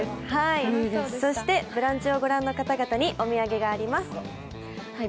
そして「ブランチ」をご覧の皆さんに、お土産があります。